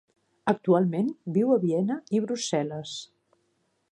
Actualment viu a Viena i Brussel·les.